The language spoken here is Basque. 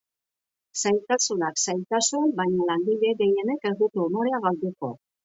Zailtasunak zailtasun, baina, langile gehienek ez dute umorea galduko.